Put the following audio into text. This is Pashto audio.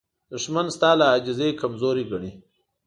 دښمن ستا له عاجزۍ کمزوري ګڼي